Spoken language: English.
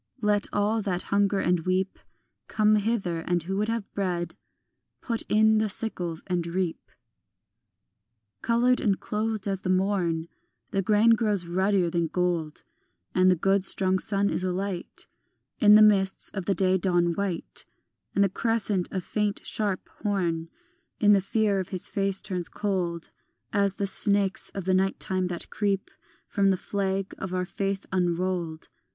Let all that hunger and weep Come hither, and who would have bread Put in the sickles and reap. Coloured and clothed as the morn, The grain grows ruddier than gold, And the good strong sun is alight In the mists of the day dawn white, And the crescent, a faint sharp horn, In the fear of his face turns cold As the snakes of the night time that creep From the flag of our faith unrolled.